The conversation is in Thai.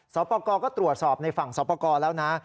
สอบปกรณ์ก็ตรวจสอบในฝั่งสอบปกรณ์แล้วนะ